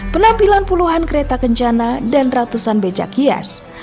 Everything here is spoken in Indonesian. penampilan puluhan kereta kencana dan ratusan becak hias